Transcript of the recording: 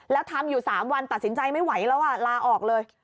แล้วทำอยู่๓วันตัดสินใจไม่ไหวแล้วลาออกเลย